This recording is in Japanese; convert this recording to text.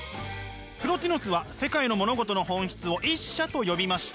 プロティノスは世界の物事の本質を「一者」と呼びました。